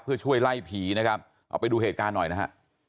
เพื่อช่วยไล่ผีนะครับเอาไปดูเหตุการณ์หน่อยนะฮะ